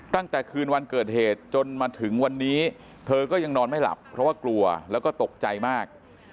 ตั้งแต่คืนวันเกิดเหตุจนมาถึงวันนี้เธอก็ยังนอนไม่หลับเพราะว่ากลัวแล้วก็ตกใจมาก